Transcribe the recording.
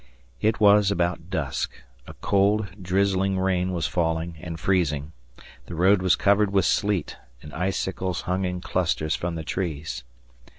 It was about dusk; a cold, drizzling rain was falling and freezing, the road was covered with sleet, and icicles hung in clusters from the trees.